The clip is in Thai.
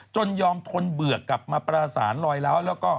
จนยอมทนเบือกกลับมาประสานรอยแล้ว